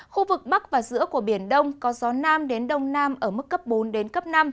khu vực bắc và giữa của biển đông có gió nam đến đông nam ở mức cấp bốn đến cấp năm